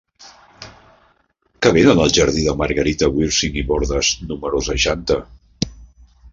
Què venen al jardí de Margarita Wirsing i Bordas número seixanta?